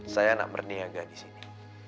saya anak berniaga di sini